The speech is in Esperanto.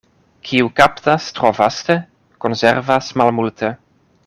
Kiu kaptas tro vaste, konservas malmulte.